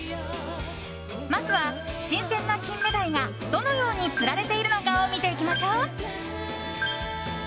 まずは新鮮なキンメダイがどのように釣られているのかを見ていきましょう。